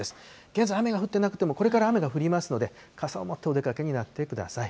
現在、雨が降ってなくても、これから雨が降りますので、傘を持ってお出かけになってください。